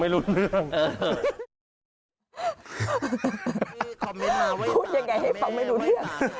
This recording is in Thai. พี่บอกว่าบ้านทุกคนในที่นี่